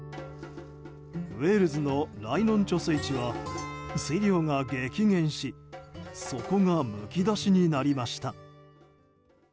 ウェールズのライノン貯水池は水量が激減し底がむき出しになりました。